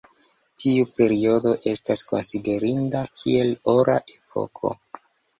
Tiu periodo estas konsiderinda kiel Ora epoko.